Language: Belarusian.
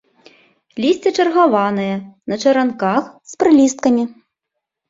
Лісце чаргаванае, на чаранках, з прылісткамі.